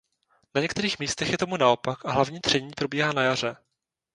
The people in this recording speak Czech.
Na některých místech je tomu naopak a hlavní tření probíhá na jaře.